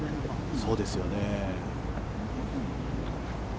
そうですよね。